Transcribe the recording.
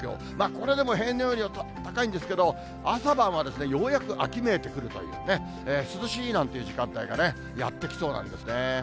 これでも平年よりは高いんですけど、朝晩はようやく秋めいてくるというね、涼しいなんていう時間帯がやって来そうなんですね。